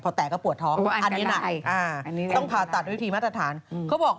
พอแตกก็ปวดท้อง